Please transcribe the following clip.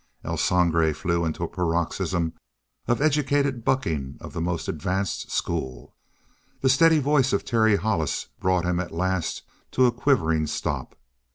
El Sangre flew into a paroxysm of educated bucking of the most advanced school. The steady voice of Terry Hollis brought him at last to a quivering stop.